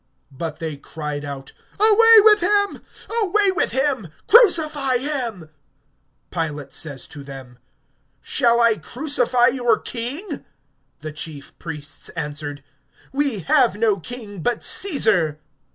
(15)But they cried out: Away with him, away with him, crucify him. Pilate says to them: Shall I crucify your king? The chief priests answered: We have no king but Caesar.